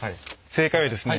正解はですね